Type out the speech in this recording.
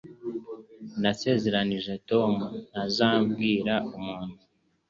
Nasezeranije Tom ntazabwira umuntu